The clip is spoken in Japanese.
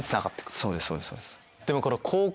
そうですそうです。